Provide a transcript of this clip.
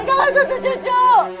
jangan setuju cu